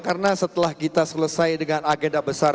karena setelah kita selesai dengan agenda besar